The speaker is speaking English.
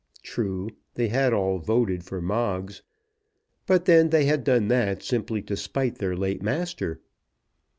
True: they had all voted for Moggs; but then they had done that simply to spite their late master.